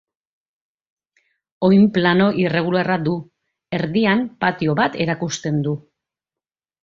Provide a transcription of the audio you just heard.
Oinplano irregularra du; erdian patio bat erakusten du.